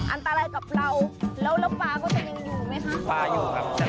อันตรายกับเราแล้วเราปาก็จะยังอยู่ไหมครับ